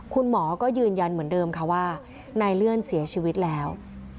คุณหมอก็ยืนยันเหมือนเดิมค่ะว่านายเลื่อนเสียชีวิตแล้ว